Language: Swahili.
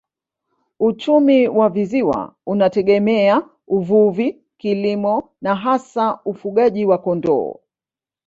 Uchumi wa visiwa unategemea uvuvi, kilimo na hasa ufugaji wa kondoo.